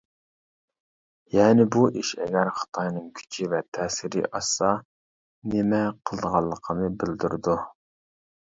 يەنى بۇ ئىش ئەگەر خىتاينىڭ كۈچى ۋە تەسىرى ئاشسا نېمە قىلىدىغانلىقىنى بىلدۈرىدۇ .